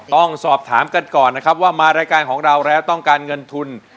ต้องสอบถามกันก่อนนะครับว่ามารายการของเราแล้วต้องการเงินทุน